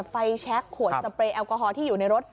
แช็คขวดสเปรย์แอลกอฮอลที่อยู่ในรถ